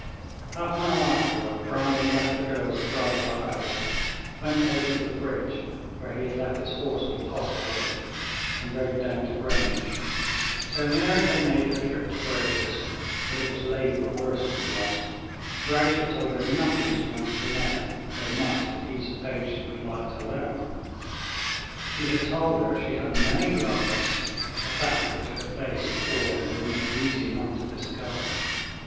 Half an hour afterward Brandon left the girls at Bridewell House, went over to the Bridge where he had left his horse at a hostelry, and rode down to Greenwich. So Mary had made her trip to Grouche's, but it was labor worse than lost. Grouche had told her nothing she wanted to know, though much that he supposed she would like to learn. He had told her she had many lovers, a fact which her face and form would make easy enough to discover.